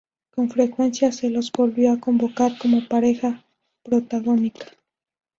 Con frecuencia se los volvió a convocar como pareja protagónica.